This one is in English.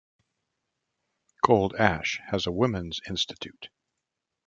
Cold Ash has a Women's Institute.